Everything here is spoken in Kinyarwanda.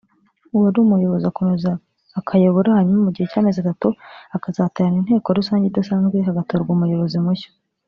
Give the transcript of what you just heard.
uwari umuyobozi akomeza akayobora hanyuma mu gihe cy’ amezi atatu hakazaterana inteko rusange idasanzwe hagatorwa umuyobozi mushya